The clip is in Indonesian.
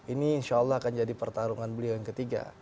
ini insya allah akan jadi pertarungan beliau yang ketiga